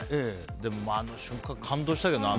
でも、あの瞬間感動したけど。